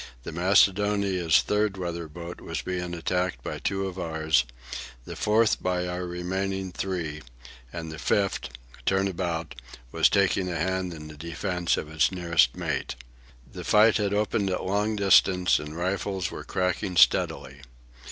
The Macedonia's third weather boat was being attacked by two of ours, the fourth by our remaining three; and the fifth, turn about, was taking a hand in the defence of its nearest mate. The fight had opened at long distance, and the rifles were cracking steadily.